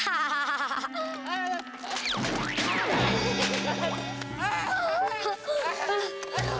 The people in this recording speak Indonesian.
hahaha penyok penyok